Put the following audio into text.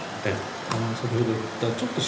先ほど言ったちょっと守備的な。